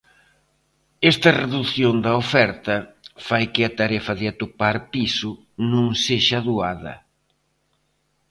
Esta redución da oferta fai que a tarefa de atopar piso non sexa doada.